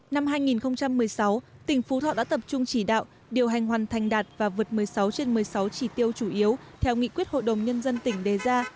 năm hai nghìn một mươi sáu tỉnh phú thọ đã tập trung chỉ đạo điều hành hoàn thành đạt và vượt một mươi sáu trên một mươi sáu chỉ tiêu chủ yếu theo nghị quyết hội đồng nhân dân tỉnh đề ra